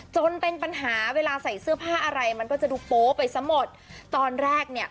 จนเป็นปัญหาเวลาใส่เสื้อผ้าอะไรมันก็จะดูโป๊ไปซะหมดตอนแรกเนี่ย